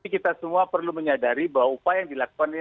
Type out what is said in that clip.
kita semua perlu menyadari bahwa upaya yang dilakukan